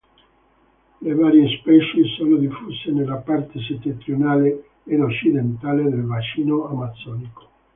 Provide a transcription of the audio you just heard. Le varie specie sono diffuse nella parte settentrionale ed occidentale del bacino amazzonico.